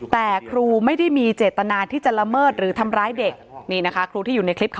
แต่ครูไม่ได้มีเจตนาที่จะละเมิดหรือทำร้ายเด็กนี่นะคะครูที่อยู่ในคลิปค่ะ